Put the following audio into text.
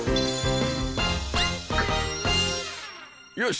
よし！